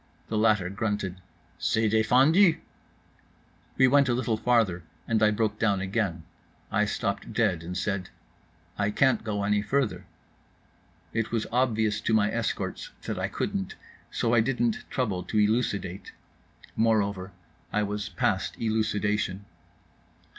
The latter grunted, "C'est défendu." We went a little farther, and I broke down again. I stopped dead, and said: "I can't go any farther." It was obvious to my escorts that I couldn't, so I didn't trouble to elucidate. Moreover, I was past elucidation.